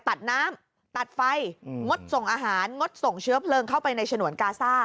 ตัดน้ำตัดไฟงดส่งอาหารงดส่งเชื้อเพลิงเข้าไปในฉนวนกาซ่า